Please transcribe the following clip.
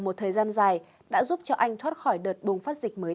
một thời gian dài đã giúp cho anh thoát khỏi đợt bùng phát dịch mới